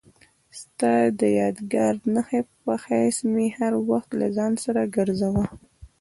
ستا د یادګار نښې په حیث مې هر وخت له ځان سره ګرځاوه.